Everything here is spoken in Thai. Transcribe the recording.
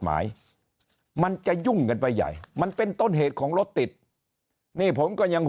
หมายมันจะยุ่งกันไปใหญ่มันเป็นต้นเหตุของรถติดนี่ผมก็ยัง